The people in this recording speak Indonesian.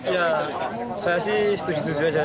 ya saya sih setuju setuju aja